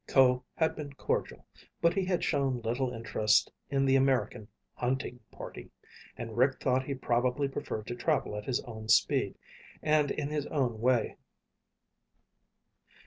Ko had been cordial, but he had shown little interest in the American "hunting" party and Rick thought he probably preferred to travel at his own speed and in his own way.